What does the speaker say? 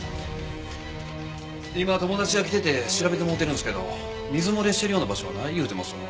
今友達が来てて調べてもろうてるんですけど水漏れしてるような場所はない言うてますわ。